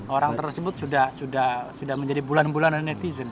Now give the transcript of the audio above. orang tersebut sudah menjadi bulan bulanan netizen